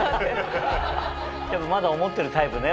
でもまだ思ってるタイプね。